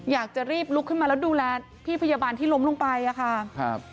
อยากจะรีบลุกขึ้นมาแล้วดูแลพี่พยาบาลที่ล้มลงไปอะค่ะครับ